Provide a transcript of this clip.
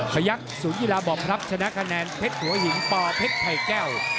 พยักษ์ศูนยีฬาบอบพรับชนะคะแนนเผ็ดหัวหินปอเผ็ดไพร่แก้ว